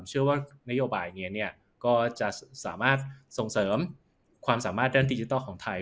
เชื่อว่านโยบายนี้ก็จะสามารถส่งเสริมความสามารถด้านดิจิทัลของไทย